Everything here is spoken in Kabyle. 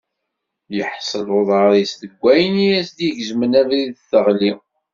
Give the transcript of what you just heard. Yeḥṣel uḍar-is deg wayen i as-d-igezmen abrid teɣli.